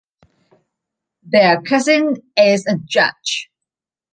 Their cousin is a judge.